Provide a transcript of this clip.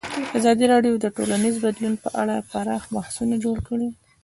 ازادي راډیو د ټولنیز بدلون په اړه پراخ بحثونه جوړ کړي.